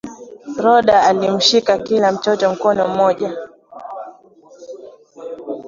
rhoda alimshika kila mtoto mkono mmoja